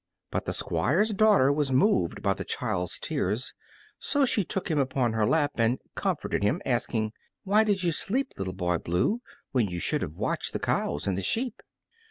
But the Squire's daughter was moved by the child's tears, so she took him upon her lap and comforted him, asking, "Why did you sleep, Little Boy Blue, when you should have watched the cows and the sheep?"